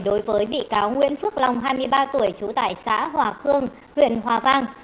đối với bị cáo nguyễn phước long hai mươi ba tuổi trú tại xã hòa khương huyện hòa vang